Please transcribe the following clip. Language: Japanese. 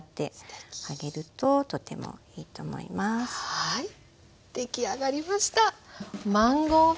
はい出来上がりました。